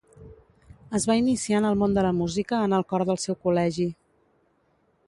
Es va iniciar en el món de la música en el cor del seu col·legi.